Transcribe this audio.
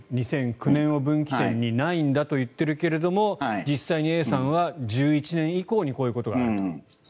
２００９年を分岐点にないんだと言っているけども実際にＡさんは２０１１年以降にこういうことがあると。